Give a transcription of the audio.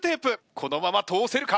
このまま通せるか？